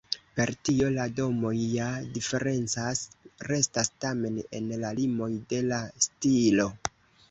Per tio la domoj ja diferencas, restas tamen en la limoj de la stilo.